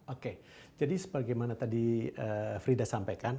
oke jadi sebagaimana tadi frida sampaikan